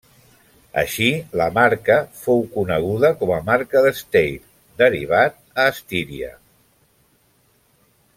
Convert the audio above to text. Així la marca fou coneguda com a marca de Steyr derivat a Estíria.